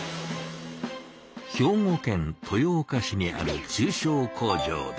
兵庫県豊岡市にある中小工場です。